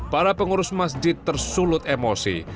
para pengurus masjid tersulut emosi